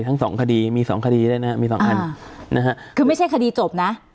ทั้งสองคดีมีสองคดีได้นะฮะมีสองอันนะฮะคือไม่ใช่คดีจบนะ